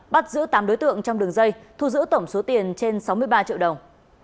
bắt giữ tám đối tượng trong đường dây thu giữ tổng số tiền trên sáu mươi ba triệu đồng